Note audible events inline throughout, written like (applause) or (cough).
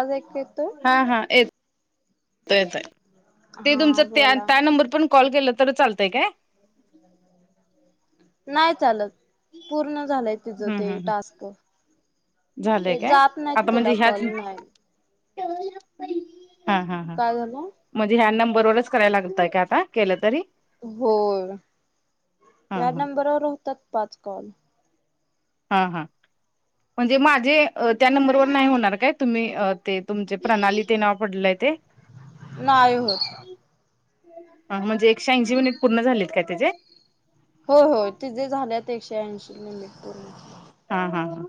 आज ऐक तोय. हा हा येत येत आहे. ते तुमच हा त्या बोला. त्या नंबर पण कॉल केलं तर चालतंय काय नाही चालत. पूर्ण झालंय तिचं हम्म ते हम्म टास्क. झालंय हे काय जात नाहीत आता तुला म्हणजे ह्याच कॉलून. हा हा हा. काय झालं? म्हणजे ह्या नंबरवरच करायला लागतय का आता केलं तरी. हो, हा या हा नंबरवर होतात पाच कॉल. हा हा. म्हणजे माझे त्या नंबरवर नाही होणार काय तुम्ही ते तुमचे प्रणाली ते नाव पडलंय ते. (inaudible) नाय हो. ह म्हणजे एकशे ऐंशी मिनिट पूर्ण झालेत काय त्याचेे. हो होय ते जे झालेत एकशे ऐंशी मिनिट हा हा हा.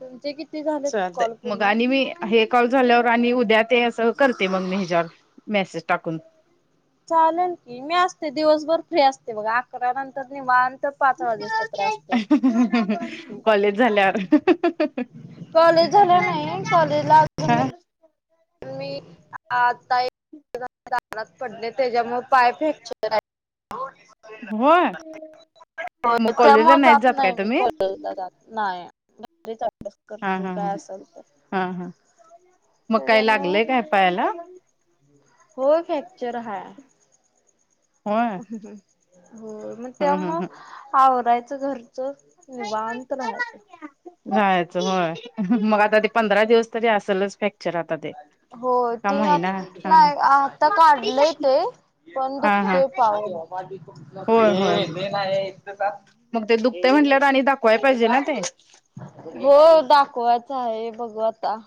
तुमचे किती झालेत चालतय कॉल मगं पूर्ण? आणि मी हे कॉल झाल्यावर आणि उद्या ते असं करते मग मी ह्याच्यावर मेसेज टाकून. चालेल की मी असते दिवसभर फ्री असते बघा. अकरानंतर निवांत तर पाच (unintelligible) असते. कॉलेज (inaudible) कॉलेज झाला नाही कॉलेजला हा अजून. प मी आता. राात पडले त्याच्यामुळे पाय फॅक्चर आहे. होय हो मग कॉलेजला त्यामुळे नाहीच जात काय नाही मी तुम्ही क जात. नाही हा करते हा काय असाल तर. हा हा मग काय लागलय काय त्याच्यामुळे पायाला? होय फ्रॅक्चर हाय. होय. हो मग त्या हम्म हम्म हम्म मग आवरायचं घरच निवांत राहायचं. जायचं होय मग आता ते पंधरा दिवस तरी असेलच फ्रॅक्चर आता ते. हो का ते आ महिना हा नाही आता काढलंय ते पण हा हा दुखते पाय. माझ मन आहे इ. मगं ते दुखते म्हटल्यावर आणि दाखवाय पाहिजे ना ते. हो दाखवायचं आहे बघ आता.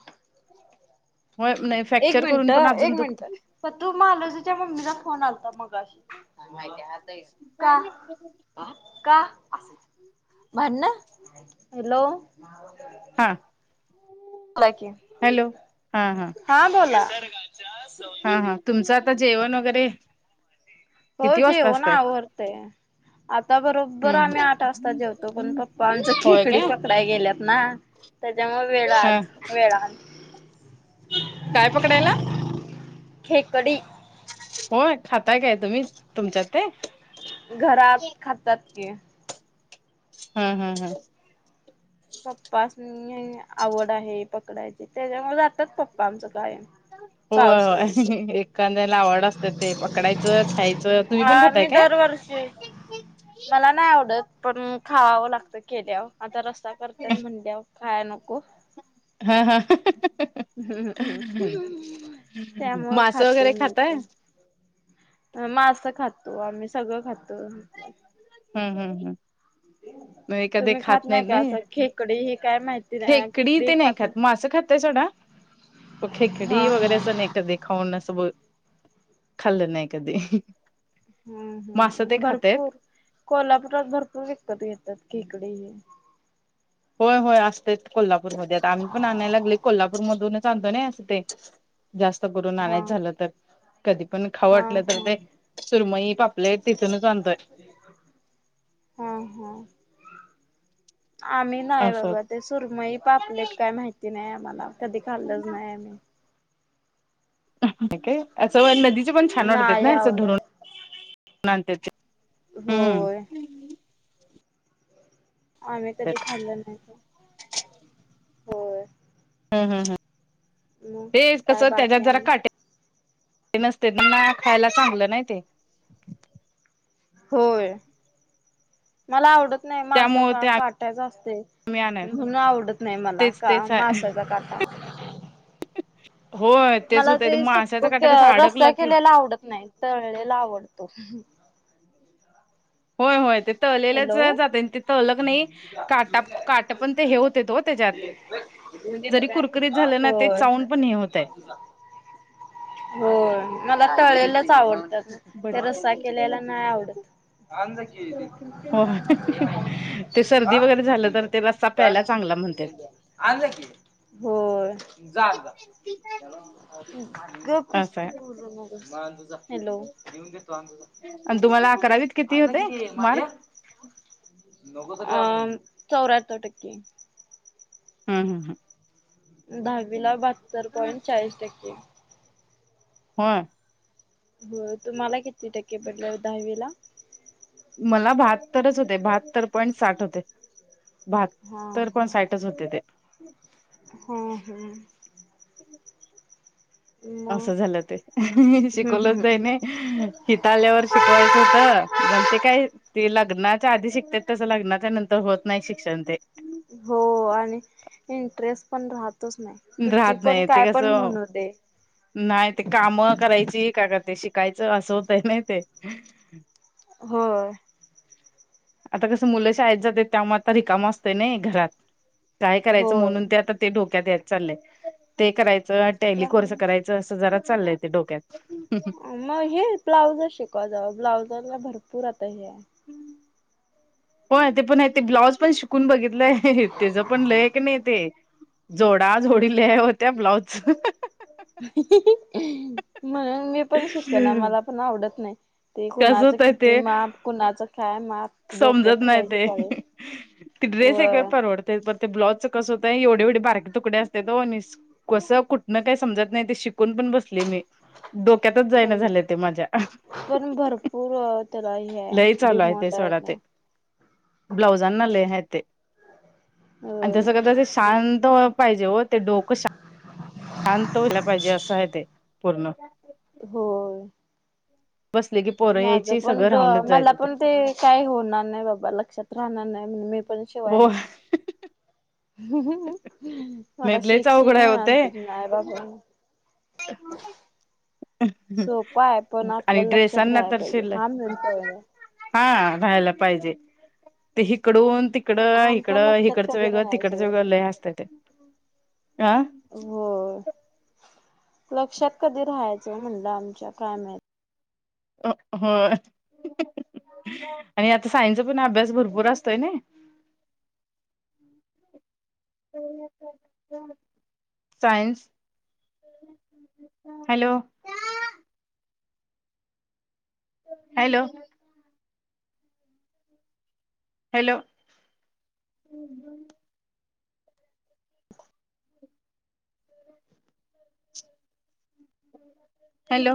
होय नाही एक फ्रॅक्चर मिनिट करून पण अजून एक मिनिट दुखत प तू मालोजच्या मम्मीचा फोन आलता मगाशी. (inaudible) भांडण, हॅलो! हा बोला की, हॅलो हा हा बोला. हा हा तुमचं आता जेवण वगैरे. हो किती वाजता जेवण असतंय आवरतंय. आता बरोबर हम्म आम्ही आठ वाजता जेवतो पण पप्पा आमच होय खेकडी काय पकड गेल्यात ना त्याच्यामुळे वेळ आज हा वेळ काय पकडायला? खेकडी. होय, खाताय काय तुम्ही तुमच्या ते? घरात खातात क हम् हम् हम्. पप्पाासनीं आवड आहे पकडायची त्याच्यामुळे जातात पप्पा आमचं कायम. हो पावसाळी एखाद्याला आवड असते ते पकडायचं खायचं तुम्ही पण अ खाताय काय. (inaudible) मला नाही आवडत पण खावावं लागत केल्यावंरं आता रस्सा करत्यात म्हणल्यावर खायला नको. हा हा. त्यामुळे मास खाते वगैरे मी खाताय? पण मासं खातो, आम्ही सगळं खातो. हम्म हम्म हम्. मगं कधी तुम्ही खात नाहीत का नाही असं खेकडी हे काय माहिती नाही खेकडी ते नाही खात मांस असं खात डा प खे खडी हा हा वगैरे सनेक कधी खाऊन ना सब खाल् नाहीय कधी हम्म मासं ते हम्म खातायत भरपूर कोल्हापुरात भरपूर विकत येतात खेकडी ह. होय होय असते कोल्हापूरमध्ये आम्ही पण आणायलागली कोल्हापूर मधूनच आणतो ना असं ते जास्त करूनना हा आणयच झालं तर कधी पण हा खावटलं तर हा ते सुरमई पापलेट तिथूनच आणतोय. हम हम आम्ही नाही असं बाबा ते सुरमई पापलेट काय माहिती नाही आम्हाला कधी खाल्लंच नाही म्ही काय असं नदीचे पण छान वाटत नाही ना अस आवडत धरून आणत होय आम्ही कधी खाल्ल नाहीत हो. ह मग ते कस काय त्याच्यात बाकी जरा आणि काटे ते नसते त्यांना खायला चांगलं नाही ते. होय मला आवडत नाही मासा त्यामुळे का ते आम्ही काटायचा असते आणाय म्हणून आवडत नाही मला तेच का तेच आहे मासाचा काटा होय तेच मला होत ते माशाचा सुक काटा कसा रस््या अडकला की केलेला आवडत नाही तळलेला आवडतो होय होय ते तळलेलंच हॅलो जाते ते तलक नाही काटा काट पण ते हे होते त हो त्याच्यात जरी कुरकुरीत झालं ना ते होय. चाऊून पण हे होत आहे हो मला टळेलंच आवडतात ते रस्सा केल्याला नाही आवडत अज की हो ते सर्दी हा वगैरे झालं तर ते रस्ता काय प्यायला चांगला म्हणतात हो जा जा भाग प्रश् असं आहे पूर्ण मग तुझ हॅलो लऊन देतो आणि तुम्हाला अकरावीत अ अंदा होते किती माझ मार्क? अ चौऱ्याहत्तर टक्के हम् हम् हम दहावी ला बहात्तर पॉइंट चाळीस टक्के हा हो तुम्हाला किती टक्के पडले दहावी ला मला बहात्तरच होते बहात्तर पॉईंट साठ होते भात हा तर पण साईटच होते ते होम हम् मग असं झालं ते मी हम्म शिकवलंच हम्म द हम्म. नाही हिताल्यावर शिकवायचं होत बणते काय तेी लग्नाच्या आधी शिकते तस लग्नाच्या नंतर होत नाही शिक्षण ते हो आणि इंटरेस्ट पण राहतोच नाही किती राहत पण नाही ते काय पण कसं म्हणू दे. नाही ते काम करायची का का ते शिकायचं असं होतय नाही ते हो आता कसं मुलं शाळेत जाते त्यामुळे आता रिकाम असत नाही घरात काय करायचं होय. म्हणून ते आता ते ोक्या द्याय चालले ते करायचं टाली कोर्स करायच जार चाललंय डोक्यात मग हे ब्लाऊजर शिकवा जावं ब्लाउजरला भरपूर आता हे आहे होय ते पण आहे ते ब्लाउज पण शिकून बघितलंय त्याच पण लय आहे की नाही ते जोडा जोडी लैई हाय ओ त्या ब्लाउजचं म्हणून मी पण शिकना मला पण आवडत नाही ते कसं कुणाचं होतय किती ते माप कुणाचं काय माप डोकं समजत नाही फिरायची ते पाळी ती ड्रेस एक वेळ व्हय परवडतय ते पण ब्लाउजचं कस होतंय एवढी एवढी बारकी तुकडं असत्यात ओ आणि असं कसं कुठनं काही समजत नाही ते शिकून पण बसलोय मी डोक्यातच जाईना पण झालंय ते माझ्या पण भरपूर त्याला हे लई चालू आहे ते डिमांड सोडा ते आता. ब्लाऊजांना लैइ हाय ते आणि होय तसं कता ते शांत पाहिजे ओ ते डोकं शांत व्हायला पाहिजे असं आहे ते पूर्ण हो बसले की पोरं माझ यायची पण सगळं राहूनच मला जायचं पण ते काही होणार नाही बाबा लक्षात राहणार नाही म्हणून मी पण शिवाय हो नाही मला लयच शीख अवघड शीख आहे म्ह आणते आई बाबा का सोपं आहे पण आणि आपल्याला लक्षात ड्रेसांना राहायला तर पाहिजे शेल हा मेन पॉईंट आहे हा राहायला पाहिजे ते हिकडून त तिकड आमच्या इकडं लक्षात इिकडचं कधी वेगळं राहायचं तिकडचं सगळं वेगळं लय काही असतं ते हं होय लक्षात कधी राहायचं म्हणलं आमच्या काय माहीत हो आणि आता सायन्सचा पण अभ्यास भरपूर असतोय नाही हम् science hello hello hello hello